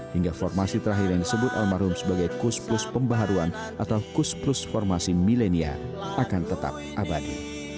hingga formasi terakhir yang disebut almarhum sebagai kus plus pembaharuan atau kus plus formasi milenia akan tetap abadi